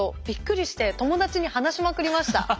びっくりして友達に話しまくりました。